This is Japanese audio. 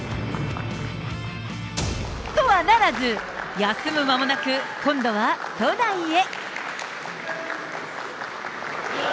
とはならず、休む間もなく、今度は都内へ。